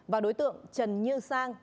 và đối tượng trần như sang